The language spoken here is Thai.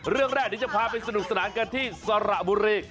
เรื่องแรกเดี๋ยวจะพาไปสนุกสนานกันที่สระบุรี